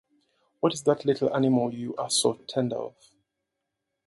What is that little animal you are so tender of?